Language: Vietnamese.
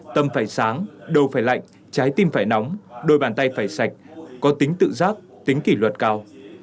tâm phải sáng đầu phải lạnh trái tim phải nóng đôi bàn tay phải sạch có tính tự giác tính kỷ luật cao